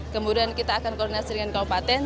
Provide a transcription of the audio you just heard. kemudian kita akan koordinasi dengan kabupaten